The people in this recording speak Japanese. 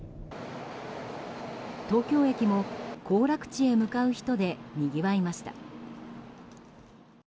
東京駅も行楽地へ向かう人でにぎわいました。